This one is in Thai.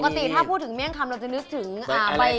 ปกติถ้าพูดถึงเมี่ยงคำเราจะนึกถึงใบ